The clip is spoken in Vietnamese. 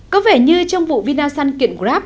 có vẻ như trong vụ vinasun kiện grab